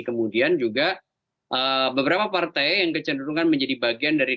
kemudian juga beberapa partai yang kecenderungan menjadi bagian dari